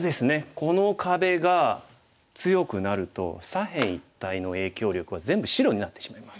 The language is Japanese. この壁が強くなると左辺一帯の影響力は全部白になってしまいます。